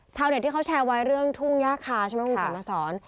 ชาวเน็ตที่เขาแชร์ไว้เรื่องทุ่งยากคาใช่ไหมมึงสามารถสอน